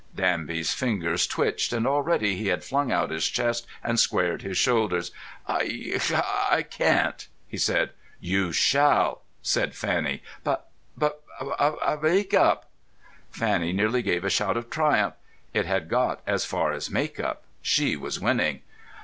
Danby's fingers twitched, and already he had flung out his chest and squared his shoulders. "I—I can't," he said. "You shall!" said Fanny. "But—but what about make up?" Fanny nearly gave a shout of triumph. It had got as far as make up. She was winning!